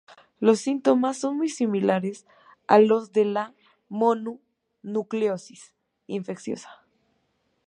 Los síntomas son muy similares a los de la mononucleosis infecciosa.